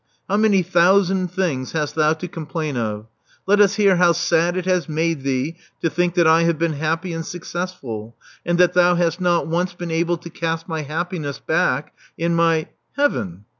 How many thousand things hast thou to complain of? Let us hear how sad it has made thee to think that I have been happy and successful, and that thou hast not once been able to cast my happiness back in my— Heaven!